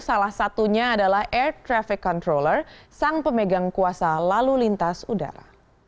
salah satunya adalah air traffic controller sang pemegang kuasa lalu lintas udara